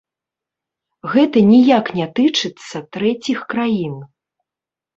Гэта ніяк не тычыцца трэціх краін.